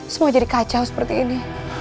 semua jadi kacau seperti ini